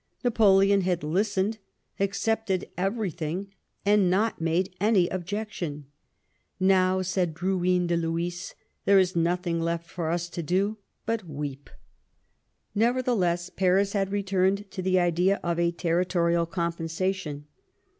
Napoleon had hstened, accepted everything, and not made any objection. " Now," said Drouyn de Lhuys, " there is nothing left for us to do but weep." Nevertheless, Paris had returned to the idea of a territorial compensation.